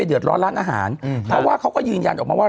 เดือดร้อนร้านอาหารเพราะว่าเขาก็ยืนยันออกมาว่า